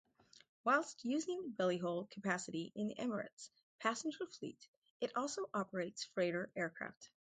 Whilst using bellyhold capacity in the Emirates' passenger fleet, it also operates freighter aircraft.